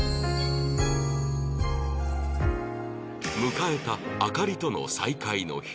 迎えたアカリとの再会の日